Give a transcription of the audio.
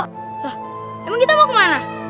hah emang kita mau kemana